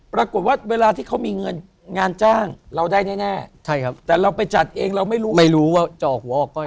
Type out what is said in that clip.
พรากฏว่าเวลามีเงินว่าการจ้างเราได้แน่แต่เราไปจัดเองเราไม่รู้ว่าเราจะออกหัวหรือออกก้อย